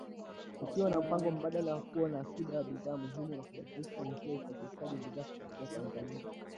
ikiwa na mpango mbadala wa kuwa na akiba ya bidhaa muhimu na kubadilisha njia usafarishaji bidhaa kupitia Tanzania.